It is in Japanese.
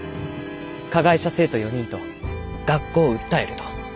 加害者生徒４人と学校を訴えると。